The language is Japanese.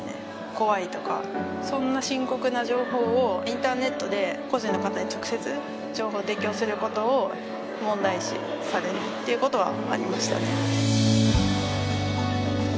怖いとかそんな深刻な情報をインターネットで個人の方に直接情報を提供することを問題視されるっていうことはありましたね